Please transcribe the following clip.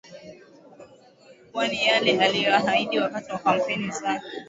kwani yale aliyoahidi wakati wa kampeni zake